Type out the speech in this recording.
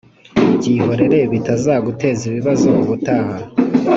byihorere bitaza guteze ibibazo ubutaha